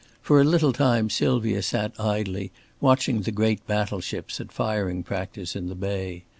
For a little time Sylvia sat idly watching the great battle ships at firing practice in the Bay.